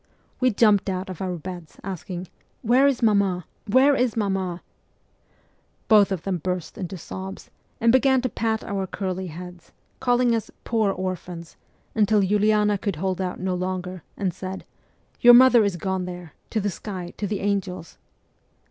We jumped out of our beds, asking, ' Where is mamma ? Where is mamma ?' Both of them burst into sobs, and began to pat our curly heads, calling us 'poor orphans/ until Uliana could hold out no longer, and said, ' Your mother is gone there to the sky, to the angels.'